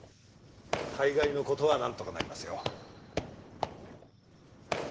大概の事はなんとかなりますよ。